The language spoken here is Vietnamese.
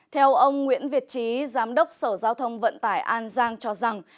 theo ông nguyễn việt trí giám đốc sở giao thông vận tải an giang cho rằng